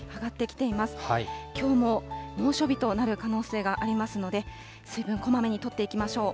きょうも猛暑日となる可能性がありますので、水分こまめにとっていきましょう。